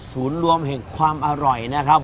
ศูนย์รวมเห็นความอร่อยนะครับ